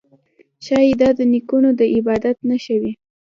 ښايي دا د نیکونو د عبادت نښه وي